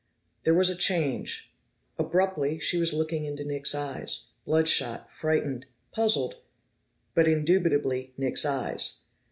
There was a change. Abruptly, she was looking into Nick's eyes, blood shot, frightened, puzzled, but indubitably Nick's eyes.